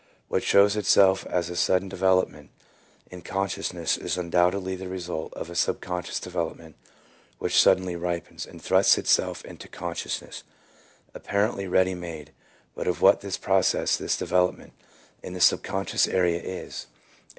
What shows itself as a sudden development in consciousness is undoubtedly the result of a subconscious development which suddenly ripens and thrusts itself into consciousness, ap parently ready made; but of what this process, this development, in the subconscious area is, and RELIGIOUS CONVERSION AS A CURE.